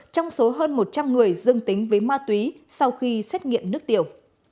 trong số hơn một trăm linh người dương tính với ma túy sau khi xét nghiệm nước tiểu